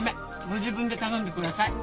ご自分で頼んでください。